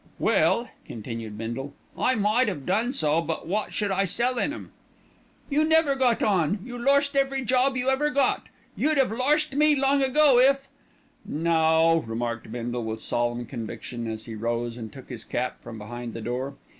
"Well!" continued Bindle, "I might 'ave done so, but wot should I sell in 'em?" "You never got on, you lorst every job you ever got. You'd 'ave lorst me long ago if " "No," remarked Bindle with solemn conviction as he rose and took his cap from behind the door.